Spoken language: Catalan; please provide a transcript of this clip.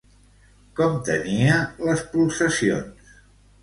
Com tenia les pulsacions?